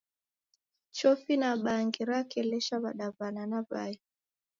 Chofi na bangi rakelesha w'adaw'ana na w'ai.